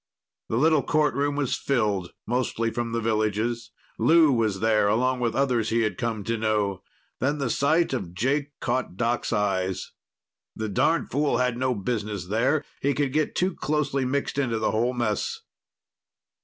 The little courtroom was filled, mostly from the villages. Lou was there, along with others he had come to know. Then the sight of Jake caught Doc's eyes. The darned fool had no business there; he could get too closely mixed into the whole mess.